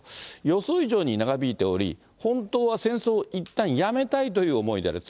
予想以上に長引いており、本当は戦争をいったんやめたいという思いである。